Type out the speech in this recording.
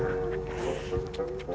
saya mau ke dokter kak dadang